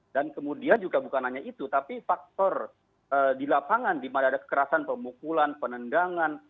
dan kemudian juga bukan hanya itu tapi faktor di lapangan di mana ada kekerasan pemukulan penendangan